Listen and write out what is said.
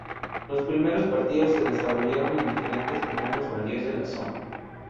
Los primeros partidos se desarrollaron en diferentes terrenos baldíos de la zona.